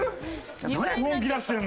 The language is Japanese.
何本気出してるのよ！